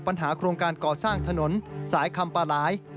ทำให้เกิดปัชฎพลลั่นธมเหลืองผู้สื่อข่าวไทยรัฐทีวีครับ